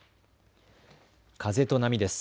風と波です。